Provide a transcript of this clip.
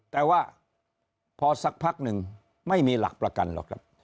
แต่ว่าพอสักพักหนึ่งไม่มีหลักประกันหรอกครับ